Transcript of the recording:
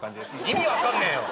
意味分かんねえよ！